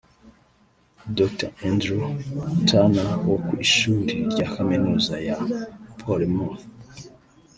Dr Andrew Turner wo ku ishuli rya kaminuza ya Plymouth